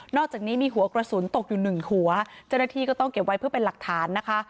อกจากนี้มีหัวกระสุนตกอยู่หนึ่งหัวเจ้าหน้าที่ก็ต้องเก็บไว้เพื่อเป็นหลักฐานนะคะ